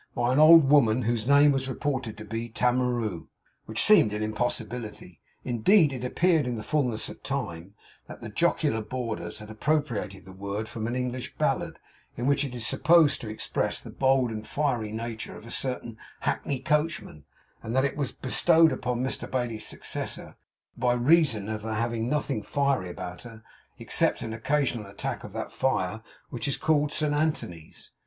by an old woman whose name was reported to be Tamaroo which seemed an impossibility. Indeed it appeared in the fullness of time that the jocular boarders had appropriated the word from an English ballad, in which it is supposed to express the bold and fiery nature of a certain hackney coachman; and that it was bestowed upon Mr Bailey's successor by reason of her having nothing fiery about her, except an occasional attack of that fire which is called St. Anthony's.